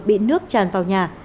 bị nước tràn vào nhà